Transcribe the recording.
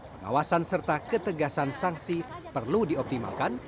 pengawasan serta ketegasan sanksi perlu dioptimalkan